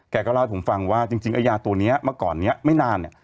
เล่าให้ผมฟังว่าจริงไอ้ยาตัวนี้เมื่อก่อนนี้ไม่นานเนี่ย